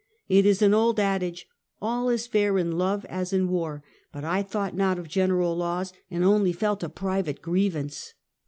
It is an old adage, "All is fair in love as in war," but I thought not of general laws, and only felt a private grievance.